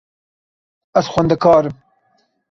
Ez xwendekar im.